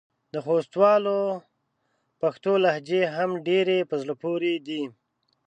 د خوستوالو پښتو لهجې هم ډېرې په زړه پورې دي.